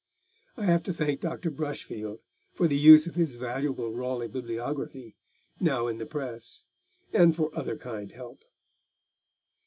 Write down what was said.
I have to thank Dr. Brushfield for the use of his valuable Raleigh bibliography, now in the press, and for other kind help.